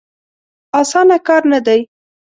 اسانه کار نه دی.